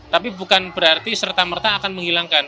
tapi bukan berarti serta merta akan menghilangkan